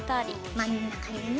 真ん中にね。